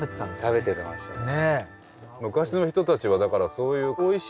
食べてましたね。